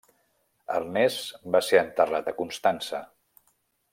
Ernest va ser enterrat a Constança.